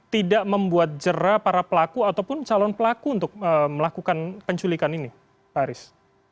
tidak membuat jerah para pelaku ataupun calon pelaku untuk melakukan penculikan ini pak aris